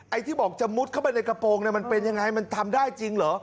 ที่บอกจะมุดเข้าไปในกระโปรงมันเป็นยังไงมันทำได้จริงเหรอ